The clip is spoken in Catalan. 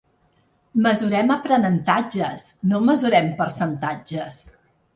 “Mesurem aprenentatges, no mesurem percentatges”.